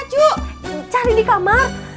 cari di kamar